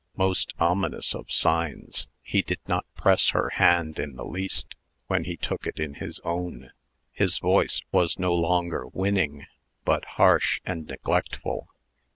Most ominous of signs, he did not press her hand in the least, when he took it in his own. His voice was no longer winning, but harsh and neglectful.